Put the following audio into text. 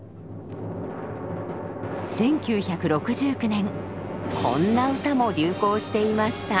１９６９年こんな歌も流行していました。